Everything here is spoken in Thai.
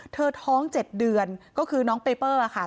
ท้อง๗เดือนก็คือน้องเปเปอร์ค่ะ